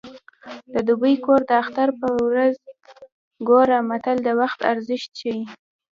د دوبي کور د اختر په ورځ ګوره متل د وخت ارزښت ښيي